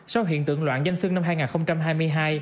sau hiện tượng loạn danh sưng năm hai nghìn hai mươi hai